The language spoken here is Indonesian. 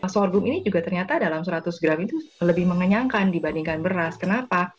sorghum ini juga ternyata dalam seratus gram itu lebih mengenyangkan dibandingkan beras kenapa